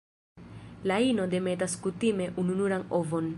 La ino demetas kutime ununuran ovon.